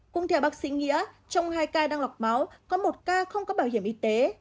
cũng theo bác sĩ nghĩa trong hai ca đang lọc máu có một ca không có bảo hiểm y tế